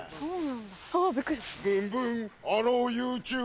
ブンブンハローＹｏｕＴｕｂｅ。